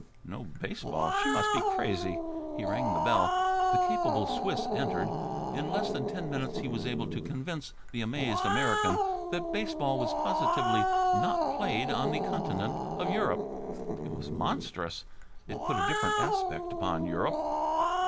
No baseball? She must be crazy. He rang the bell. The capable Swiss entered. In less than ten minutes he was able to convince the amazed American that baseball was positively not played on the continent of Europe. It was monstrous. It put a different aspect upon Europe.